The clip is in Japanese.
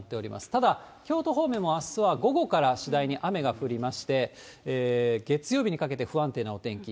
ただ、京都方面もあすは午後から次第に雨が降りまして、月曜日にかけて不安定なお天気。